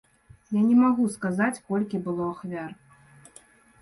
Я не магу сказаць, колькі было ахвяр.